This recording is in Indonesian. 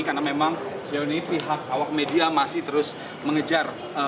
karena memang sejauh ini pihak awak media masih terus mengejar